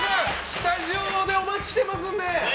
スタジオでお待ちしてますんで！